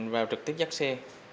vào trực tiếp dắt xe